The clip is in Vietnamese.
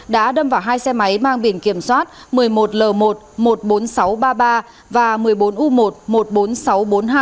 đã đâm vào hai xe máy mang biển kiểm soát một mươi một l một một mươi bốn nghìn sáu trăm ba mươi ba và một mươi bốn u một một mươi bốn nghìn sáu trăm bốn mươi hai